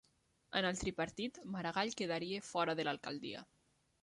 En el tripartit Maragall quedaria fora de l'alcaldia